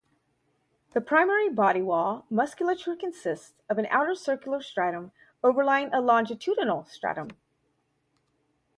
The primary body-wall musculature consists of an outer circular stratum overlying a longitudinal stratum.